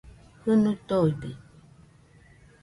Jɨnui toide